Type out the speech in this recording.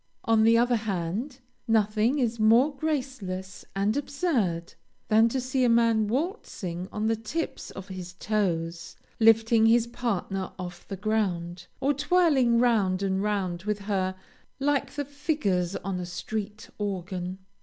On the other hand, nothing is more graceless and absurd, than to see a man waltzing on the tips of his toes, lifting his partner off the ground, or twirling round and round with her like the figures on a street organ.